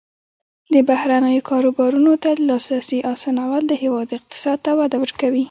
د بهرنیو کاروبارونو ته د لاسرسي اسانول د هیواد اقتصاد ته وده ورکوي.